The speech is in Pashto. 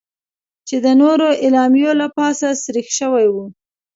چې د نورو اعلامیو له پاسه سریښ شوې وې.